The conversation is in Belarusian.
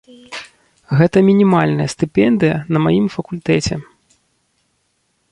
Гэта мінімальная стыпендыя на маім факультэце.